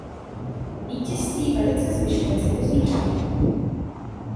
Vítězství velice zvyšuje cenu zvířat.